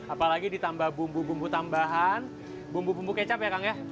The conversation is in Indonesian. apalagi ditambah bumbu bumbu tambahan bumbu bumbu kecap ya kang ya